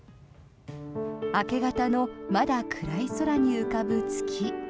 明け方のまだ暗い空に浮かぶ月。